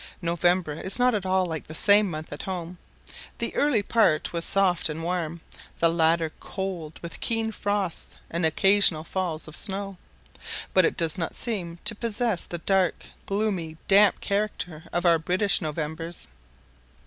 November is not at all like the same month at home. The early part was soft and warm, the latter cold, with keen frosts and occasional falls of snow; but it does not seem to possess the dark, gloomy, damp character of our British Novembers.